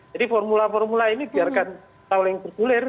jadi formula formula ini biarkan paling populer